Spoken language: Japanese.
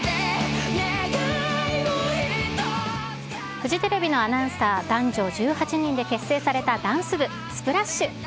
フジテレビのアナウンサー、男女１８人で結成されたダンス部、ＳＰＬＡＳＨ！